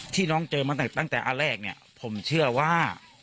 ที่น้องเจอมาตั้งแต่อันแรกเนี่ยผมเชื่อว่า